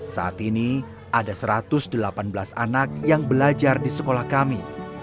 saat ini ada satu ratus delapan belas anak yang belajar di sekolah kami